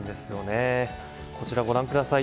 こちら、ご覧下さい。